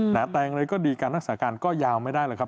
แต่แต่งเลยก็ดีกันรักษาการก็ยาวไม่ได้หรอกครับ